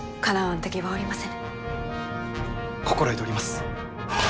心得ております！